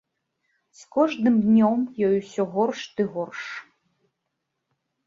З кожным днём ёй усё горш ды горш.